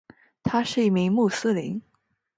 他是一名穆斯林。